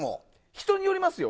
人によりますよ。